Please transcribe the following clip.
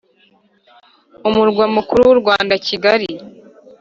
Umurwa Mukuru w u Rwanda Kigali